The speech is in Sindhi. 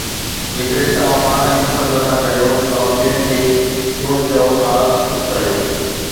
جيڪڏهن توهان پاڻ کي پسند نٿا ڪريو، توهان ٻين کي ڇو چئو ٿا چپ ڪريو؟